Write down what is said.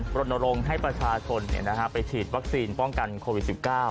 บรรณรงค์ให้ประชาชนเนี้ยนะฮะไปฉีดวัคซีนป้องกันโควิดสิบเก้า